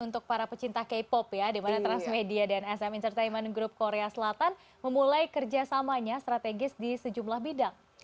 untuk para pecinta k pop ya di mana transmedia dan sm entertainment group korea selatan memulai kerjasamanya strategis di sejumlah bidang